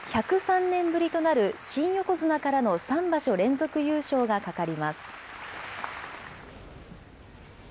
１０３年ぶりとなる新横綱からの３場所連続優勝がかかります。